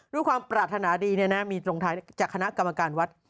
ด้วยความปรารถนาดีมีตรงท้ายจากคณะกรรมการวัด